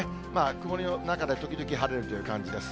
曇りの中で時々晴れるという感じです。